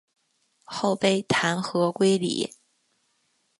后被弹劾归里。